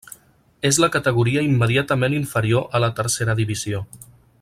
És la categoria immediatament inferior a la Tercera Divisió.